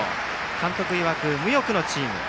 監督いわく、無欲のチーム。